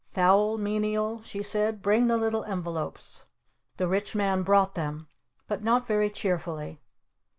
"Foul Menial," she said. "Bring the little envelopes!" The Rich Man brought them. But not very cheerfully.